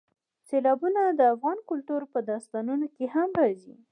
سیلابونه د افغان کلتور په داستانونو کې هم راځي.